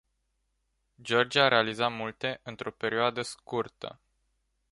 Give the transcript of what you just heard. Georgia a realizat multe într-o perioadă scurtă.